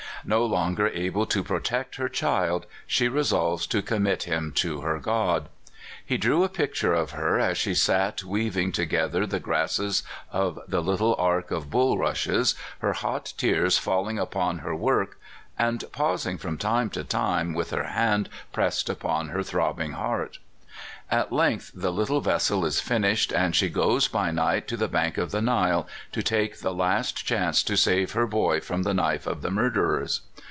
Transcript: No longer able to protect her child, she resolves to commit him to her God. He drew a picture of her as she sat weaving to gether the grasses of the little ark of bulrushes, her hot tears falling upon her work, and pausing from time to time with her hand pressed upon her throbbing Ifeart. At length, the little vessel is finished, and she goes by night to the bank of the Nile, to take the last chance to save her boy from the knife of the murderers.